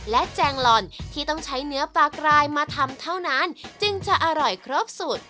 และแจงลอนที่ต้องใช้เนื้อปลากรายมาทำเท่านั้นจึงจะอร่อยครบสูตร